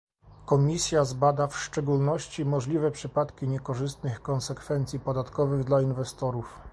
Komisja zbada w szczególności możliwe przypadki niekorzystnych konsekwencji podatkowych dla inwestorów